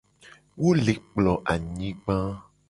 Wo le kplo anyigba.